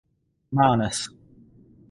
Mánes.